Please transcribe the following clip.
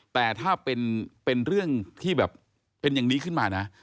แต่ถ้าเป็นเรื่องที่แบบเป็นอย่างนี้ขึ้นมานะ